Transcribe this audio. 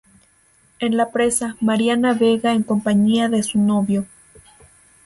En la presa, María navega en compañía de su novio.